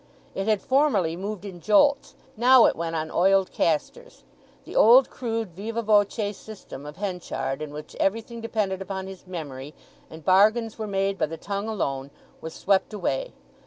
It had formerly moved in jolts; now it went on oiled casters. The old crude vivâ voce system of Henchard, in which everything depended upon his memory, and bargains were made by the tongue alone, was swept away.